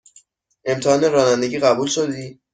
امتحان رانندگی قبول شدی؟